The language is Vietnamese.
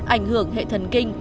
ảnh hưởng hệ thần kinh